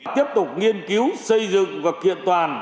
tiếp tục nghiên cứu xây dựng và kiện toàn